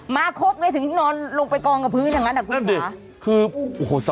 มาครบโว้ยถึงนอนลงไปกรองกับพื้นอย่างนั้นกูฝ้า